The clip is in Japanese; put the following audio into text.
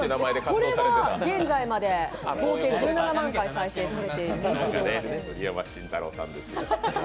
これが現在まで合計１７万回再生されています。